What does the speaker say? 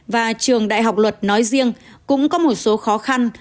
và trường đại học luật nói riêng cũng có một số khó khăn